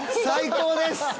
最高です！